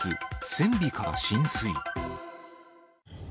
船尾から浸水。